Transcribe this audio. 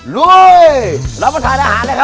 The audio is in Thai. ลุยรับประทานอาหารนะครับ